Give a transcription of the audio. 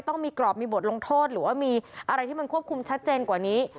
ต้องมีกรอบมีบทลงโทษหรือว่ามีอะไรที่มันควบคุมชัดเจนกว่านี้